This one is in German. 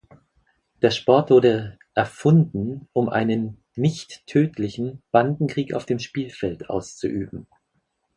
Der Sport wurde „erfunden“, um einen "nicht tödlichen" Bandenkrieg auf dem Spielfeld auszuüben.